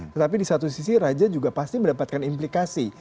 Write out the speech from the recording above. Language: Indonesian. tetapi di satu sisi raja juga pasti mendapatkan implikasi